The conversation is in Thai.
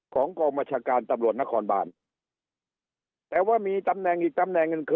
ของกองบัญชาการตำรวจนครบานแต่ว่ามีตำแหน่งอีกตำแหน่งหนึ่งคือ